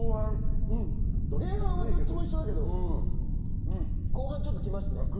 前半はどっちも一緒だけど後半ちょっときますね。